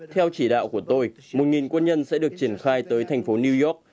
theo chỉ đạo của tôi một quân nhân sẽ được triển khai tới thành phố new york